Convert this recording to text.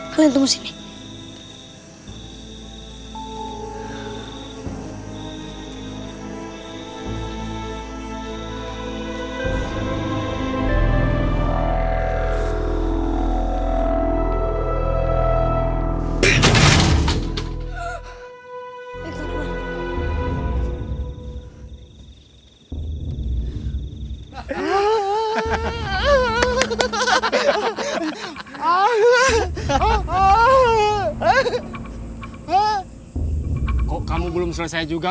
kok kamu belum selesai juga